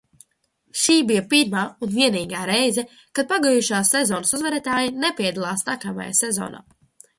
Šī bija pirmā un vienīgā reize, kad pagājušās sezonas uzvarētāja nepiedalās nākamajā sezonā.